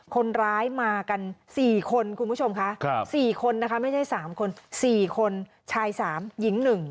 คนร้ายมากัน๔คนคุณผู้ชมค่ะ๔คนนะคะไม่ใช่๓คน๔คนชาย๓หญิง๑